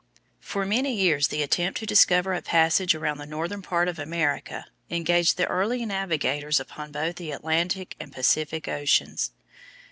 For many years the attempt to discover a passage around the northern part of America engaged the early navigators upon both the Atlantic and Pacific oceans.